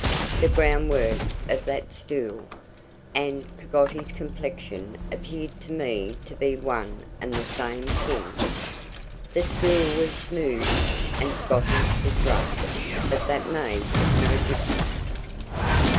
The ground work of that stool, and Peggotty's complexion appeared to me to be one and the same thing. The stool was smooth, and Peggotty was rough, but that made no difference.